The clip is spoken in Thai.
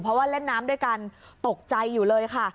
เพราะว่าเล่นน้ำด้วยกันตกใจอยู่เลยค่ะ